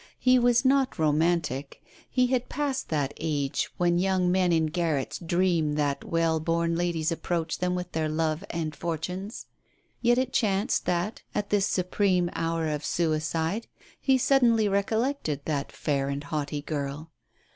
He was not romantic, he had passed that age when young men in garrets dream that w^ell born ladies approach them with their love and fortunes. Yet it chanced that, at this supreme hour of suicide, he suddenly recollected that fair and haughty girl.